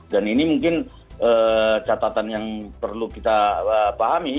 dan ini mungkin catatan yang perlu kita pahami